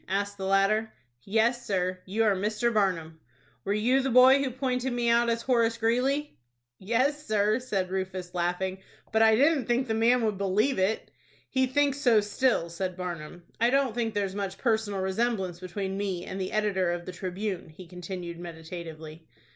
asked the latter. "Yes, sir, you are Mr. Barnum." "Were you the boy who pointed me out as Horace Greeley?" "Yes, sir," said Rufus, laughing; "but I didn't think the man would believe it." "He thinks so still," said Barnum. "I don't think there's much personal resemblance between me and the editor of the 'Tribune,'" he continued, meditatively.